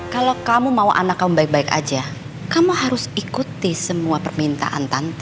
kalau kamu mau anak kamu baik baik saja kamu harus ikuti semua permintaan tante